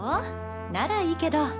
ならいいけど。